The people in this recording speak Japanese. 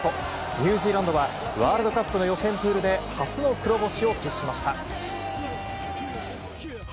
ニュージーランドはワールドカップの予選プールで、初の黒星を喫しました。